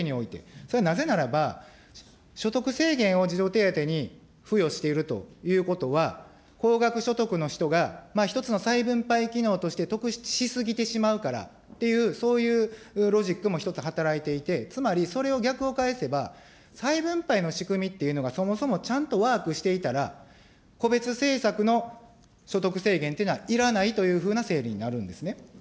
それはなぜならば、所得制限を児童手当に付与しているということは、高額所得の人が一つの再分配機能として得し過ぎてしまうからっていう、そういうロジックも一つ働いていて、つまりそれを逆を返せば、再分配の仕組みっていうのが、そもそもちゃんとワークしていたら、個別政策の所得制限というのはいらないというふうな整理になるんですね。